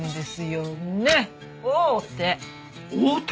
王手。